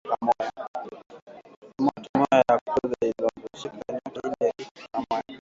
Tomate moya ya kuoza inaozeshaka nyote ile iko pamoya